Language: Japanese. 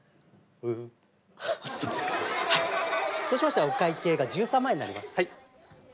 そうしましたらお会計が１３万円になります。